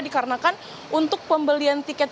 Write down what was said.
dikarenakan untuk pembelian tiket